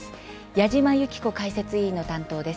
矢島ゆき子解説委員の担当です。